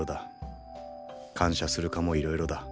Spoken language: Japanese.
感謝するかもいろいろだ。